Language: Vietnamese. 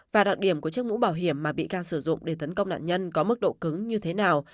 và đặc điểm của chiếc mũ bảo hiểm mà bị can sử dụng để tấn công nạn nhân có mức độ cứng như thế nào